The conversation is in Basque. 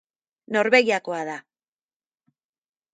Norvegiakoa da.